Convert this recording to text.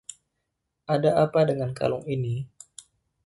Ada apa dengan kalung ini?